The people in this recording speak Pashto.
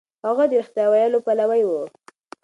هغه د رښتيا ويلو پلوی و.